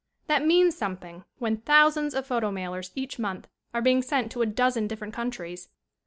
That means something when thousands of photo mailers each month are being sent to a dozen different countries.